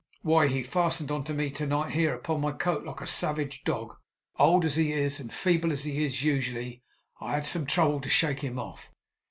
Why, he fastened on me to night; here, upon my coat; like a savage dog. Old as he is, and feeble as he is usually, I had some trouble to shake him off.